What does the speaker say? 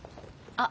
あっ！